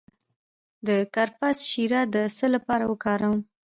د کرفس شیره د څه لپاره وکاروم؟